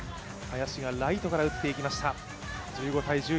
林がライトから打っていきました。